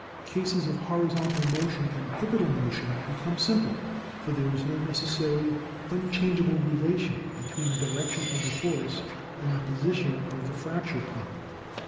Cases of hori zontal motion and pivotal motion become simple, for there is no necessary unchangeable relation between the direc tion of the force and the position of the fracture plane."